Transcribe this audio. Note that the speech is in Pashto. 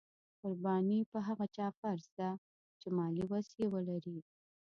قرباني په هغه چا فرض ده چې مالي وس یې ولري.